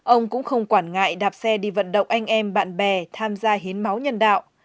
ông cũng không quản ngại đạp xe đi vận động anh em bạn bè tham gia hiến máu nhân đạo